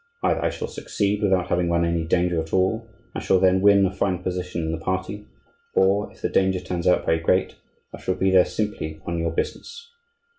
Either I shall succeed without having run any danger at all, and shall then win a fine position in the party; or, if the danger turns out very great, I shall be there simply on your business."